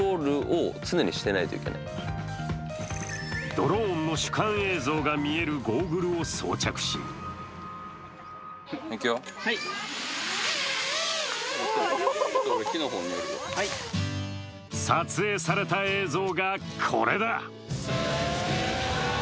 ドローンの主観映像が見えるゴーグルを装着し撮影された映像が、これだ！